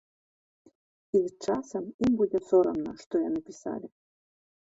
І з часам ім будзе сорамна, што яны пісалі.